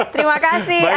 terima kasih adi ya